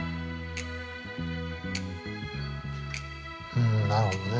うんなるほどね。